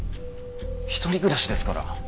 一人暮らしですから。